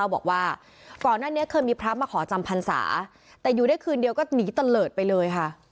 บอกว่าก่อนหน้านี้เคยมีพระมาขอจำพรรษาแต่อยู่ได้คืนเดียวก็หนีตะเลิศไปเลยค่ะ